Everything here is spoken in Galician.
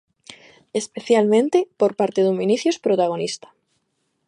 Especialmente por parte dun Vinicius protagonista.